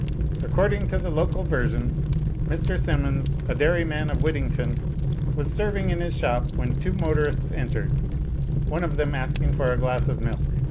According to the local version, Mr. Simmons, a dairyman of Wyddington, was serving in his shop when two motorists entered, one of them asking for a glass of milk.